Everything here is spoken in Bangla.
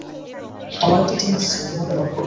আমার একটা টিম আসছে তোমাকে লক করতে।